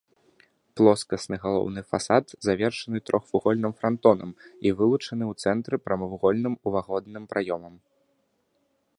Плоскасны галоўны фасад завершаны трохвугольным франтонам і вылучаны ў цэнтры прамавугольным уваходным праёмам.